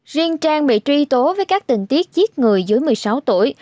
riêng trang bị truy tố với các tình tiết người dưới một mươi sáu tuổi